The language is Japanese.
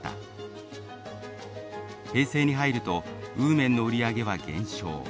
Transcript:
平成に入ると温麺の売り上げは減少。